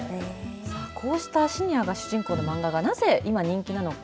こうしたシニアが主人公の漫画がなぜ今、人気なのか。